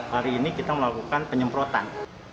hari ini kita melakukan penyemprotan